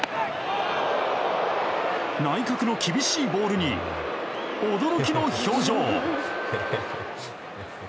内角の厳しいボールに驚きの表情。